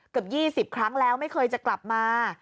เกือบ๒๐ครั้งแล้วไม่เคยจะกลับมา